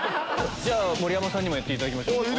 盛山さんにもやっていただきましょう。